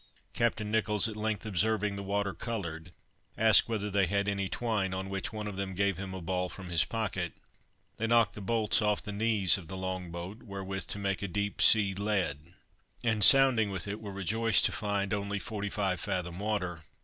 Captain Nicholls, at length observing the water colored, asked whether they had any twine, on which one of them gave him a ball from his pocket; they knocked the bolts off the knees of the long boat, wherewith to make a deep sea lead, and sounding with it were rejoiced to find only 45 fathom water.